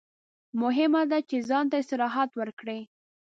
مهمه ده چې ځان ته استراحت ورکړئ.